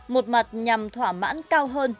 một mặt nhằm thỏa mãn cao hơn